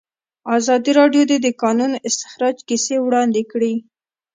ازادي راډیو د د کانونو استخراج کیسې وړاندې کړي.